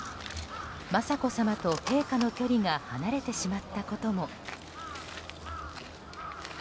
雅子さまと陛下の距離が離れてしまったことも。